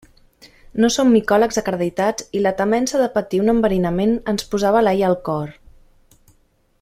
No som micòlegs acreditats i la temença de patir un enverinament ens posava l'ai al cor.